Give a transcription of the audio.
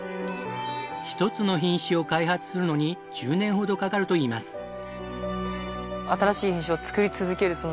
１つの品種を開発するのに１０年ほどかかるといいます。